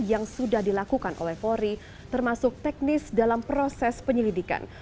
yang sudah dilakukan oleh polri termasuk teknis dalam proses penyelidikan